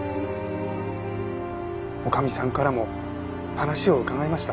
女将さんからも話を伺いました。